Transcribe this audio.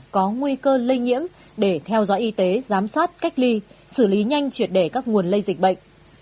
có nguy cơ lây nhiễm để theo dõi y tế giám sát cách ly xử lý nhanh triệt để các nguồn lây dịch bệnh